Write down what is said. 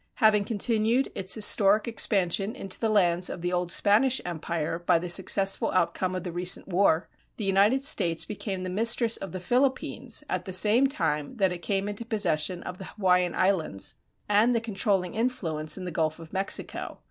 Having continued its historic expansion into the lands of the old Spanish empire by the successful outcome of the recent war, the United States became the mistress of the Philippines at the same time that it came into possession of the Hawaiian Islands, and the controlling influence in the Gulf of Mexico.